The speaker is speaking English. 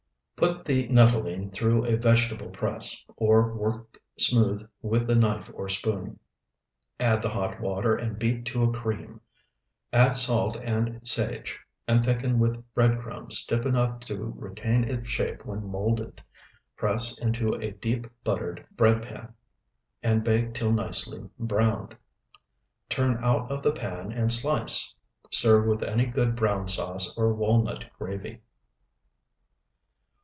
Put the nuttolene through a vegetable press, or work smooth with a knife or spoon; add the hot water and beat to a cream. Add salt and sage, and thicken with bread crumbs stiff enough to retain its shape when moulded. Press into a deep buttered bread pan and bake till nicely browned. Turn out of the pan and slice. Serve with any good brown sauce or walnut gravy.